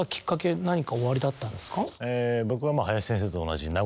僕は。